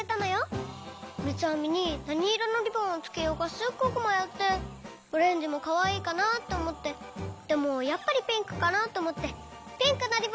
みつあみになにいろのリボンをつけようかすっごくまよってオレンジもかわいいかなっておもってでもやっぱりピンクかなっておもってピンクのリボンをつけました。